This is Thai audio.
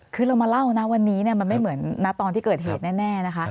คือเรามาเล่านะวันนี้มันไม่เหมือนตอนที่เกิดเหตุแน่นะคะ